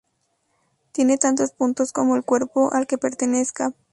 Tiene tantos puntos como el cuerpo al que pertenezca.